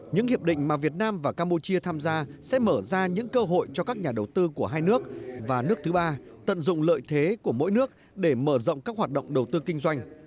những hiệp định mà việt nam và campuchia tham gia sẽ mở ra những cơ hội cho các nhà đầu tư của hai nước và nước thứ ba tận dụng lợi thế của mỗi nước để mở rộng các hoạt động đầu tư kinh doanh